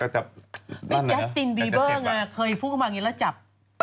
นั่นเหรอแจ็บปล่ะนี่แจ๊สตินบีเบอร์ไงเคยพูดมาอย่างนี้แล้วจับ